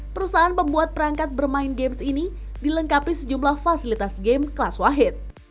perusahaan pembuat perangkat bermain games ini dilengkapi sejumlah fasilitas game kelas wahid